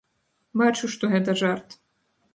Бачу, што гэта жарт.